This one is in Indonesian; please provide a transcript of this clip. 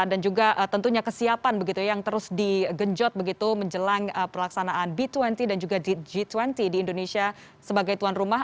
dan juga tentunya kesiapan begitu yang terus digenjot begitu menjelang perlaksanaan b dua puluh dan juga g dua puluh di indonesia sebagai tuan rumah